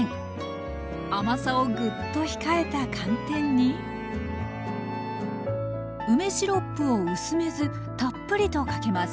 甘さをぐっと控えた寒天に梅シロップを薄めずたっぷりとかけます。